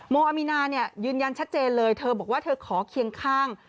โมอามีนายืนยันชัดเจนเลยเธอบอกว่าเธอขอเคียงข้าง